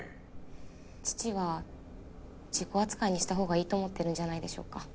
父は事故扱いにした方がいいと思ってるんじゃないですか